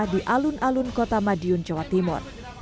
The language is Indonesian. di alun alun kota madiun jawa timur